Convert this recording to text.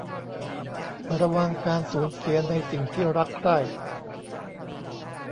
ระวังการสูญเสียในสิ่งที่รักใคร่